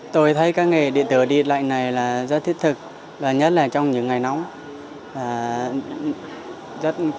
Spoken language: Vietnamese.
tôi thấy các nghề điện tử điện lạnh này rất thiết thực nhất là trong những ngày nóng